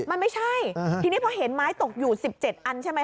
มันไม่ใช่ทีนี้พอเห็นไม้ตกอยู่๑๗อันใช่ไหม